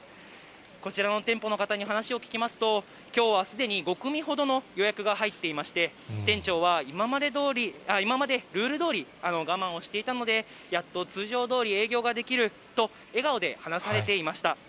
こちらの店舗の方に話を聞きますと、きょうはすでに５組ほどの予約が入っていまして、店長は、今までルールどおり我慢をしていたので、やっと通常どおり営業ができると、笑顔で話されていました。